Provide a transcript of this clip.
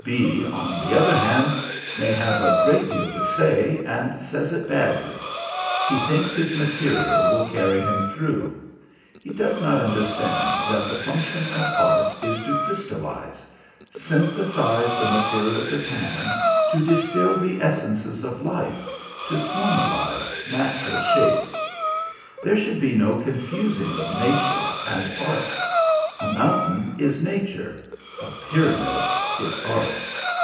B, on the other hand, may have a great deal to say, and says it badly. He thinks his material will carry him through. He does not understand that the function of art is to crystallize; synthesize the materials at hand, to distil the essences of life, to formalize natural shapes. There should be no confusing of nature and art. A mountain is nature, a pyramid is art.